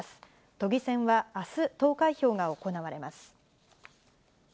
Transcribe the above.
都議選はあす、投開票が行われます。